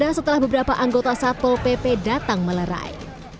berbeda setelah beberapa anggota satpol pp datang melerai